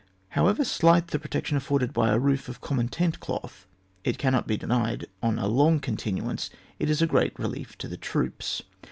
However slight the protection afforded by a roof of common tent cloth, — it cannot be denied that on a long continuance it is great relief to the troops.